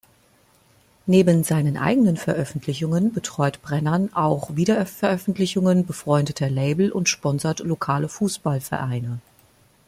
Neben seinen eigenen Veröffentlichungen betreut Brennan auch Wiederveröffentlichungen befreundeter Label und sponsert lokale Fußball-Vereine.